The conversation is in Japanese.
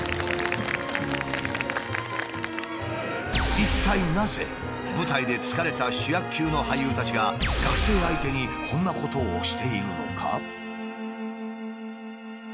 一体なぜ舞台で疲れた主役級の俳優たちが学生相手にこんなことをしているのか？